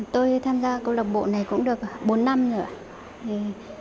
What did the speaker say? tôi tham gia câu lạc bộ này cũng được bốn năm rồi ạ